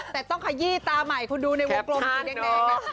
แต่ต้องขยี้ตาใหม่คุณดูในวงกลมสีแดงนะ